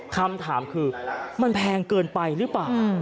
คำถามคือมันแพงเกินไปหรือเปล่า